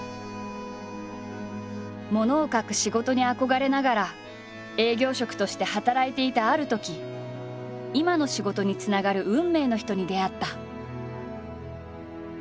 ものを書く仕事に憧れながら営業職として働いていたあるとき今の仕事につながる運命の人に出会った。